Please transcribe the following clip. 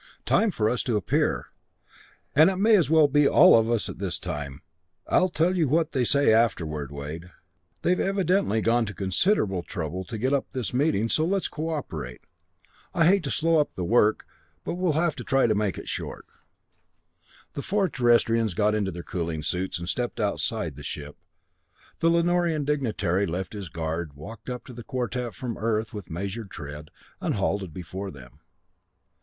"Time for us to appear and it may as well be all of us this time. I'll tell you what they say afterward, Wade. They've evidently gone to considerable trouble to get up this meeting, so let's cooperate. I hate to slow up the work, but we'll try to make it short." The four Terrestrians got into their cooling suits, and stepped outside the ship. The Lanorian dignitary left his guard, walked up to the quartet from Earth with measured tread, and halted before them.